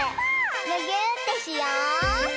むぎゅーってしよう！